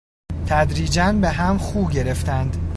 تدریجا به هم خو گرفتند.